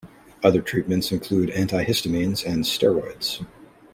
Other treatments include antihistamines and steroids.